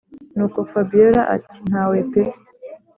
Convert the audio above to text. nuko fabiora ati”ntawe pe”